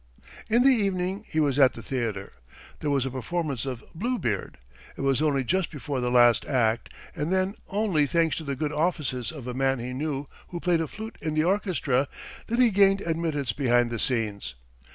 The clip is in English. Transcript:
In the evening he was at the theatre. There was a performance of Bluebeard. It was only just before the last act, and then only thanks to the good offices of a man he knew who played a flute in the orchestra, that he gained admittance behind the scenes.